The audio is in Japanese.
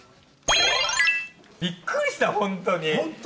びっくりした、本当に。